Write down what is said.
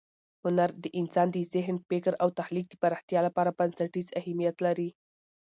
هنر د انسان د ذهن، فکر او تخلیق د پراختیا لپاره بنسټیز اهمیت لري.